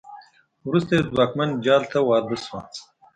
وروسته یوه ځواکمن جال ته واده شوه.